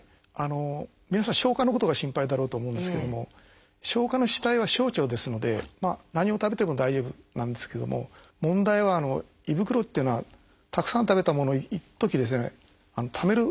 皆さん消化のことが心配だろうと思うんですけども消化の主体は小腸ですので何を食べても大丈夫なんですけども問題は胃袋っていうのはたくさん食べたものをいっときためる